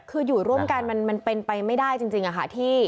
คืออยู่ร่วมกันมันเป็นไปไม่ได้จริงค่ะ